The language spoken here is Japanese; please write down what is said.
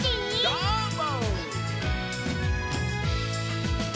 どーも！